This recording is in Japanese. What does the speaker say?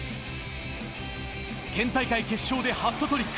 県大会決勝でハットトリック。